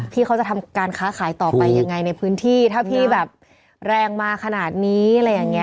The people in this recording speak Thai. พี่เขาจะทำการค้าขายต่อไปยังไงในพื้นที่ถ้าพี่แบบแรงมาขนาดนี้อะไรอย่างนี้